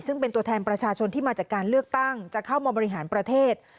ซึ่งเป็นตัวแทนประชาชนที่มาจากการเลือกตั้งจะเข้ามาบริหารประเทศ